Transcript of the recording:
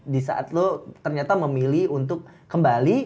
di saat lo ternyata memilih untuk kembali